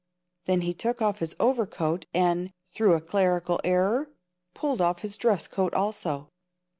Then he took off his overcoat and, through a clerical error, pulled off his dress coat also.